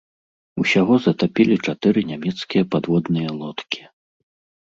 Усяго затапілі чатыры нямецкія падводныя лодкі.